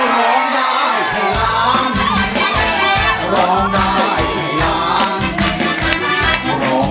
ร้องได้ให้ร้าง